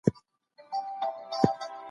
ناسم خوراک ورځ درنه کوي.